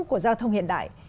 của giao thông hiện đại